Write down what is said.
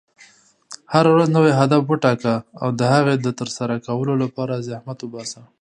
هره ورځ نوی هدف وټاکه، او د هغې د ترسره کولو لپاره زحمت وباسه.